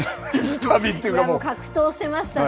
格闘してましたね。